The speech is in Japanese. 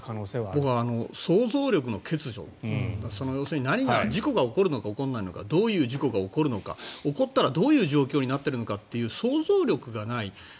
僕は想像力の欠如要するに事故が起こるのか起こらないのかどういう事故が起こるのか起こったらどういう状況になっているのかっていう想像力がない。